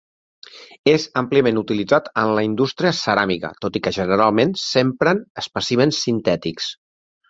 És àmpliament utilitzat en la indústria ceràmica, tot i que generalment s'empren espècimens sintètics.